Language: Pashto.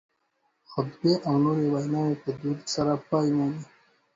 خطبې او نورې ویناوې په درود سره پای مومي